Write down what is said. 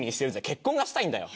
結婚がしたいんだよ。